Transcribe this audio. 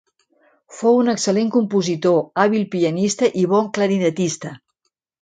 Fou un excel·lent compositor, hàbil pianista i bon clarinetista.